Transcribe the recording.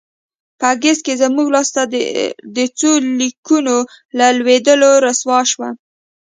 په اګست کې زموږ لاسته د څو لیکونو له لوېدلو رسوا شوه.